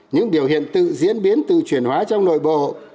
những biểu hiện tự diễn biến tự chuyển hóa trong nội bộ